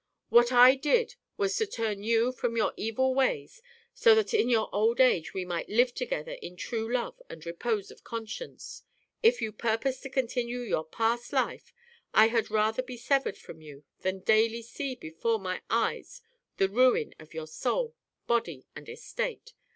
What I did was to turn you from your evil ways, so that in your old age we might live together in true love and repose of conscience. If you purpose to continue your past life, I had rather be severed from you than daily see before my eyes the ruin of your soul, body, and estate.